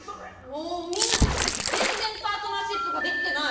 もうみんな全然パートナーシップができてない！